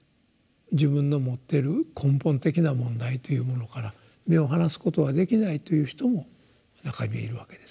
自分の持ってる根本的な問題というものから目を離すことはできないという人も中にはいるわけです。